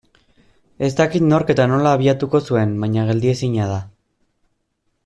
Ez dakit nork eta nola abiatuko zuen baina geldiezina da.